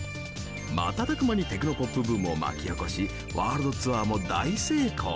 瞬く間にテクノポップブームを巻き起こしワールドツアーも大成功。